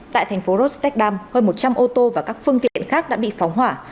tại thành phố rostedam hơn một trăm linh ô tô và các phương tiện khác đã bị phóng hỏa